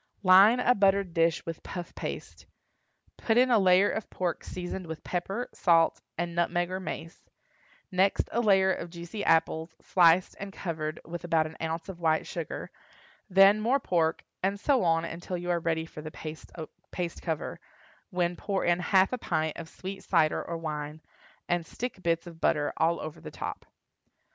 Line a buttered dish with puff paste; put in a layer of pork seasoned with pepper, salt, and nutmeg or mace; next a layer of juicy apples, sliced and covered with about an ounce of white sugar; then more pork, and so on until you are ready for the paste cover, when pour in half a pint of sweet cider or wine, and stick bits of butter all over the top.